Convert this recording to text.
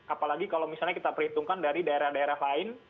apalagi kalau misalnya kita perhitungkan dari daerah daerah lain